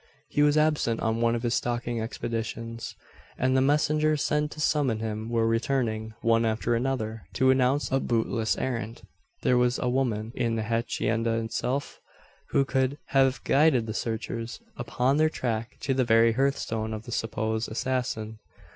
He was absent on one of his stalking expeditions; and the messengers sent to summon him were returning, one after another, to announce a bootless errand. There was a woman, in the hacienda itself, who could have guided the searchers upon their track to the very hearthstone of the supposed assassin.